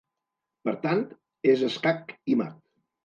Per tant, és escac i mat.